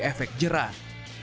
hal itu tidak berhasil